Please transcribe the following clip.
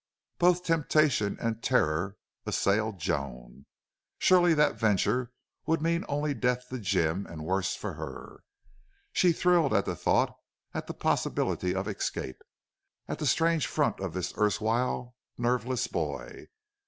Both temptation and terror assailed Joan. Surely that venture would mean only death to Jim and worse for her. She thrilled at the thought at the possibility of escape at the strange front of this erstwhile nerveless boy.